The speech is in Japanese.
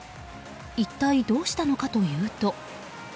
一体どうしたのかというと。